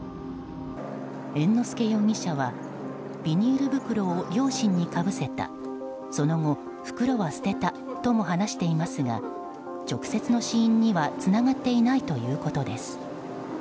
猿之助容疑者はビニール袋を両親にかぶせたその後、袋は捨てたとも話していますが直接の死因にはつながっていないということです。